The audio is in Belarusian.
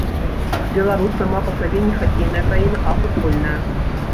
Беларусь сама па сабе не хакейная краіна, а футбольная.